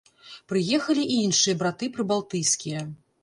Прыехалі і іншыя браты прыбалтыйскія.